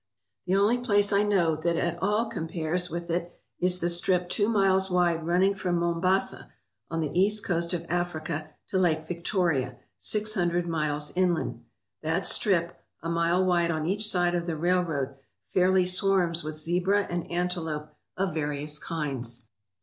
The only place I know that at all compares with it is the strip two miles wide running from Mombasa, on the east coast of Africa, to Lake Victoria, six hundred miles inland. That strip, a mile wide on each side of the railroad, fairly swarms with zebra and antelope of various kinds.